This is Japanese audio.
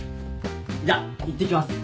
じゃいってきます。